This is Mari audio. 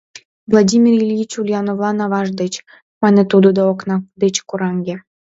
— Владимир Ильич Ульяновлан аваж деч, — мане тудо да окна деч кораҥе.